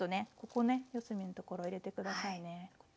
ここね四隅のところ入れて下さいね。